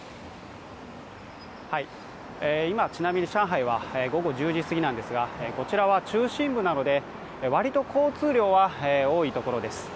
今、ちなみに上海は午後１０時すぎなんですがこちらは中心部なので割と交通量は多いところです。